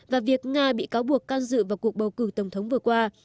và việc nga bị cáo buộc can dự vào cuộc bầu cử tổng thống vừa qua